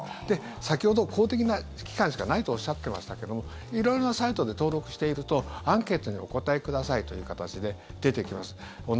先ほど、公的な機関しかないとおっしゃってましたけども色々なサイトで登録しているとアンケートにお答えくださいという形で出てきます。